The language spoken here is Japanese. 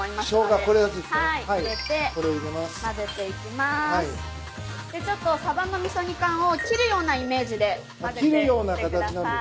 でちょっとサバの味噌煮缶を切るようなイメージでまぜていってください。